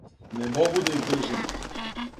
Не могу да издржим.